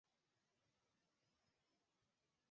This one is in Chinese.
阿尔杰什县是罗马尼亚南部的一个县。